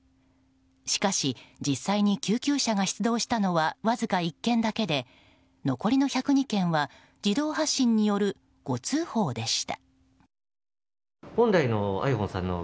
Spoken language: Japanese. しかし、実際に救急車が出動したのはわずか１件だけで残りの１０２件は自動発信による誤通報でした。